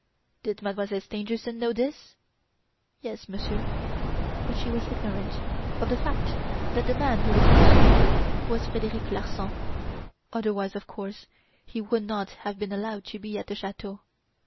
"Did Mademoiselle Stangerson know this?" "Yes, Monsieur; but she was ignorant of the fact that the man who was pursuing her was Frederic Larsan, otherwise, of course, he would not have been allowed to be at the chateau.